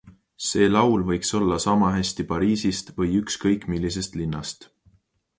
See laul võiks olla samahästi Pariisist või ükskõik, millisest linnast.